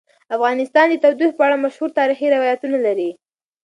افغانستان د تودوخه په اړه مشهور تاریخی روایتونه لري.